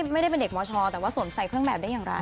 ไม่ได้เป็นเด็กมชแต่ว่าสวมใส่เครื่องแบบได้อย่างไร